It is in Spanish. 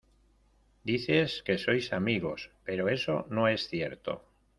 dices que sois amigos, pero eso no es cierto.